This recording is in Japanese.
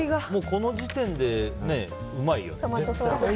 この時点で、うまいよね。